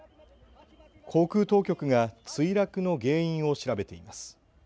航空当局が墜落の原因を調べています。